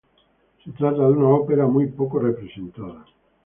Se trata de una ópera muy poco representada.